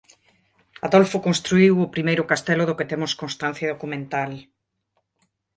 Adolfo construíu o primeiro castelo do que temos constancia documental.